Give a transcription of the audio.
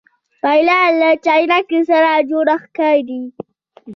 پیاله له چاینکي سره جوړه ښکاري.